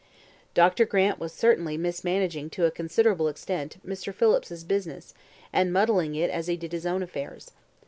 Dr. Grant was certainly mismanaging, to a considerable extent, Mr. Phillips's business, and muddling it as he did his own affairs.